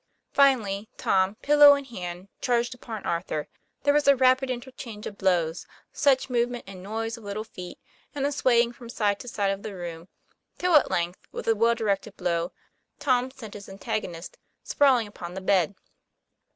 Finally, Tom, pillow in hand, charged upon Arthur. There was a rapid interchange of blows, much movement and noise of little feet, and a sway ing from side to side of the room, till at length with a well directed blow Tom sent his antagonist sprawling upon the bed.